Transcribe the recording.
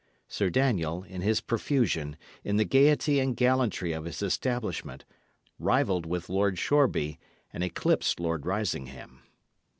Sir Daniel, in his profusion, in the gaiety and gallantry of his establishment, rivalled with Lord Shoreby, and eclipsed Lord Risingham.